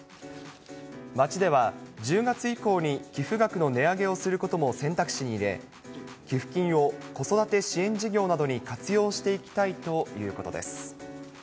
町では、１０月以降に寄付額の値上げをすることも選択肢に入れ、寄付金を子育て支援事業などに活用していきたいということです。